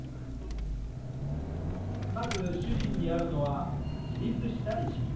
まず主人にあるのは「自立した意識」。